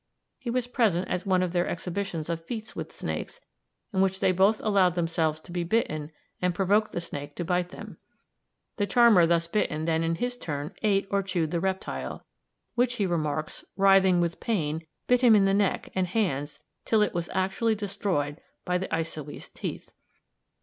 He was present at one of their exhibitions of feats with snakes in which they both allowed themselves to be bitten and provoked the snake to bite them. The charmer thus bitten then in his turn ate or chewed the reptile, which, he remarks, writhing with pain, bit him in the neck and hands till it was actually destroyed by the Eisowy's teeth.